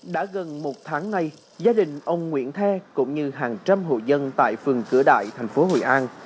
đã gần một tháng nay gia đình ông nguyễn the cũng như hàng trăm hộ dân tại phường cửa đại thành phố hội an